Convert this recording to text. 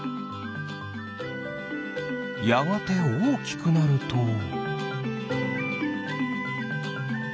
やがておおきくなると。